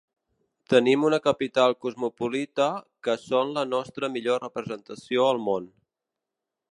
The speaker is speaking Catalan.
Tenim una capital cosmopolita, que són la nostra millor representació al món.